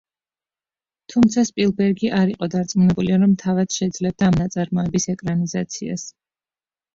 თუმცა სპილბერგი არ იყო დარწმუნებული რომ თავად შეძლებდა ამ ნაწარმოების ეკრანიზაციას.